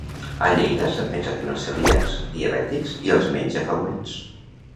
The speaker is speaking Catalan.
A Lleida s'ha pensat en els celíacs, diabètics i els menys afavorits.